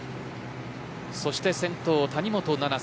そして先頭、谷本七星。